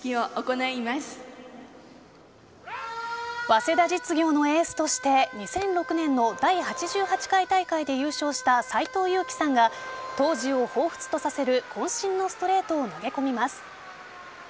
早稲田実業のエースとして２００６年の第８８回大会で優勝した斎藤佑樹さんが当時を彷彿とさせる渾身のストレートを投げ込みます。